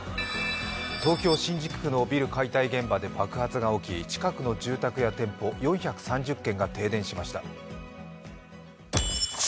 東京・新宿区のビル解体現場で爆発が起き、近くの住宅や店舗４３０軒が停電しました。